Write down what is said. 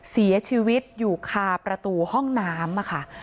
เสียชีวิตอยู่คาประตูห้องน้ำค่ะ